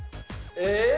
えっ？